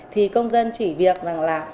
thì công dân chỉ việc là